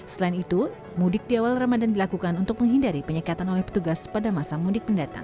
selain itu mudik di awal ramadan dilakukan untuk menghindari penyekatan oleh petugas pada masa mudik mendatang